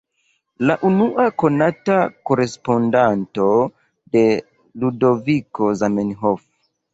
La unua konata korespondanto de Ludoviko Zamenhof.